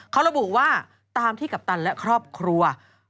เขาระบุว่าตามที่กัปตันและครอบครัว